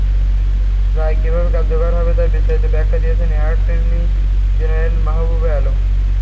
রায় কীভাবে কার্যকর হবে, তার বিস্তারিত ব্যাখ্যা দিয়েছেন অ্যাটর্নি জেনারেল মাহবুবে আলম।